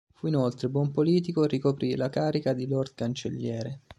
Fu inoltre buon politico e ricoprì la carica di Lord Cancelliere.